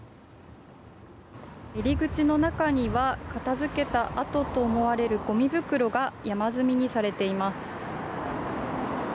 入り口の中には片付けた跡と思われるごみ袋が山積みにされています。